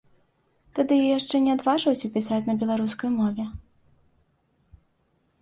Тады я яшчэ не адважваўся пісаць на беларускай мове.